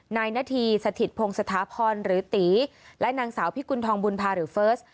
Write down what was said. นายนาธีสถิตพงศถาพรหรือตีและนางสาวพิกุณฑองบุญภาหรือเฟิร์ส